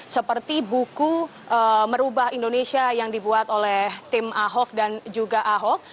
seperti buku merubah indonesia yang dibuat oleh tim ahok dan juga ahok